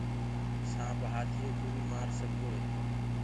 سآنٚپ هآتِيوڪو بي مآرسگدوئي